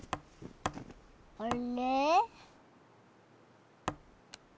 あれ？